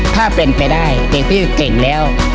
ถ้าเป็นไปได้เด็กที่เก่งแล้ว